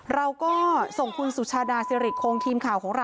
เราก็ส่ง